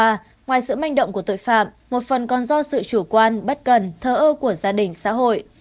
ngoài sự manh động của tội phạm một phần còn do sự chủ quan bất cần thơ ơ của gia đình xã hội